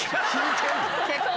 結構。